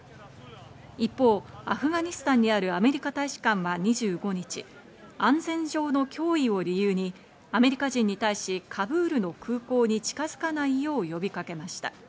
一方、アフガニスタンにあるアメリカ大使館は２５日、安全上の脅威を理由にアメリカ人に対しカブールの空港に近づかないよう呼びかけました。